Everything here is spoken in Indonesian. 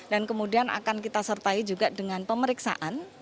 dan kemudian akan kita sertai juga dengan pemeriksaan